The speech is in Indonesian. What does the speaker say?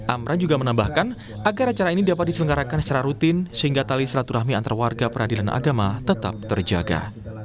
amran juga menambahkan agar acara ini dapat diselenggarakan secara rutin sehingga tali silaturahmi antar warga peradilan agama tetap terjaga